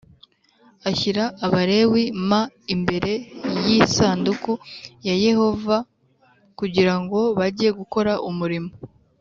Ashyira abalewi m imbere y isanduku ya yehova kugira ngo bajye bakora umurimo